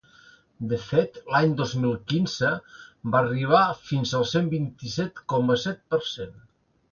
De fet, l’any dos mil quinze, va arribar fins al cent vint-i-set coma set per cent.